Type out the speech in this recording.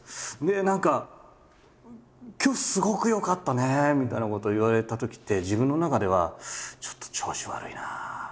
何か今日すごく良かったねみたいなことを言われたときって自分の中ではちょっと調子悪いなみたいな。